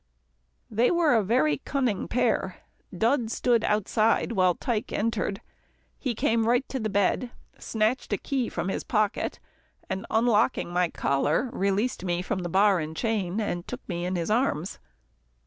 They were a very cunning pair. Dud stood outside, while Tike entered. He came right to the bed, snatched a key from his pocket, and unlocking my collar, released me from the bar and chain, and took me in his arms.